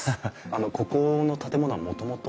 ここの建物はもともと？